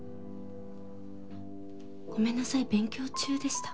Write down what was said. ごめんなさい勉強中でした？